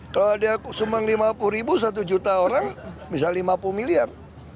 kalau ada sumbang lima puluh ribu satu juta orang bisa lima puluh miliar